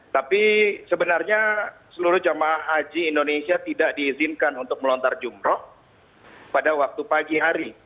tapi sebenarnya seluruh jemaah haji indonesia tidak diizinkan untuk melontar jumroh pada waktu pagi hari